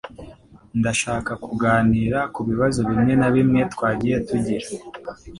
Ndashaka kuganira ku bibazo bimwe na bimwe twagiye tugira.